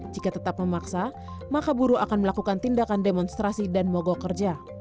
jika tetap memaksa maka buruh akan melakukan tindakan demonstrasi dan mogok kerja